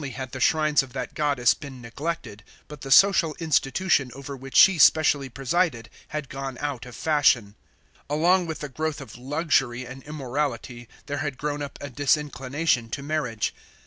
had the shrines of that goddess been neglected, but the social institution over which she specially presided had gone out of fashion. Along with the growth of luxury and immorality there had grown up a disinclination to marriage.